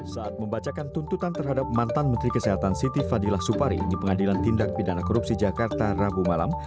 saat membacakan tuntutan terhadap mantan menteri kesehatan siti fadila supari di pengadilan tindak pidana korupsi jakarta rabu malam